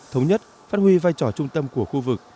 thống nhất phát huy vai trò trung tâm của khu vực